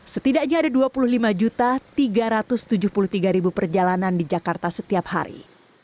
setidaknya ada dua puluh lima tiga ratus tujuh puluh tiga perjalanan di jakarta setiap hari